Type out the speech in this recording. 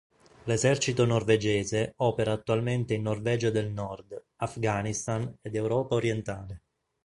L'esercito norvegese opera attualmente in Norvegia del Nord, Afghanistan ed Europa orientale.